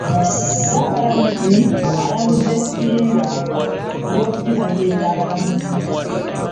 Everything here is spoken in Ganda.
Ssaabalamuzi alabudde Singh ku by'okutiisatiisa abalamuzi.